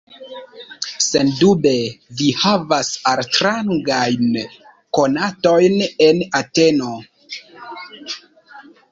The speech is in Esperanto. Sendube vi havas altrangajn konatojn en Ateno?